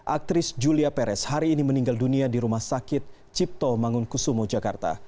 aktris julia perez hari ini meninggal dunia di rumah sakit cipto mangunkusumo jakarta